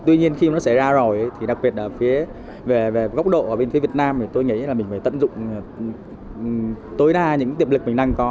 tuy nhiên khi nó xảy ra rồi thì đặc biệt ở phía về góc độ ở bên phía việt nam thì tôi nghĩ là mình phải tận dụng tối đa những tiềm lực mình đang có